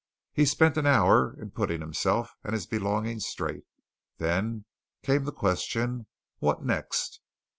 He spent an hour in putting himself and his belongings straight and then came the question what next?